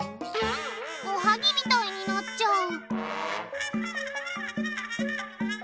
おはぎみたいになっちゃう！